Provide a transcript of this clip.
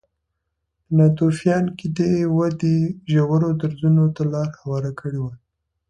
په ناتوفیان کې دې ودې ژورو درزونو ته لار هواره کړې وای